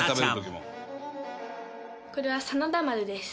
これは真田丸です。